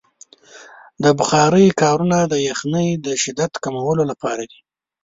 د بخارۍ کارونه د یخنۍ د شدت کمولو لپاره دی.